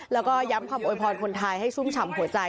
แล้วก็ย้ำคำโวยพรคนไทยให้ชุ่มฉ่ำหัวใจ